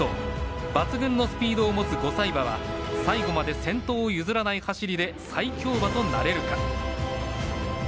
抜群のスピードを持つ５歳馬は最後まで先頭を譲らない走りで最強馬となれるか。